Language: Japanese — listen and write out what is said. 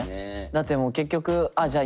だってもう結局あっじゃあ